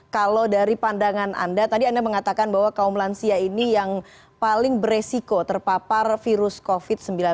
kalau dari pandangan anda tadi anda mengatakan bahwa kaum lansia ini yang paling beresiko terpapar virus covid sembilan belas